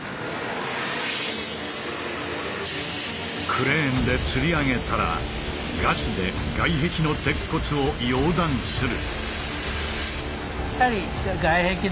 クレーンでつり上げたらガスで外壁の鉄骨を溶断する。